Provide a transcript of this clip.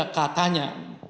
dan selanjutnya katanya